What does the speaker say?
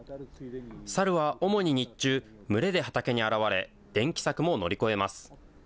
サルは主に日中、群れで畑に現れ、電気柵も乗り越えます。